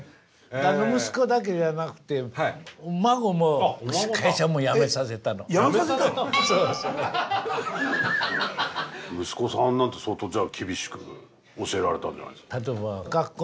あの息子だけじゃなくて辞めさせたの⁉息子さんなんて相当じゃあ厳しく教えられたんじゃないですか？